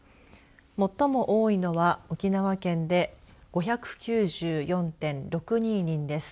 最も多いのは沖縄県で５９４．６２人です。